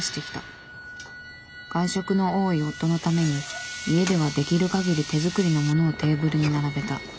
外食の多い夫のために家ではできるかぎり手作りのものをテーブルに並べた。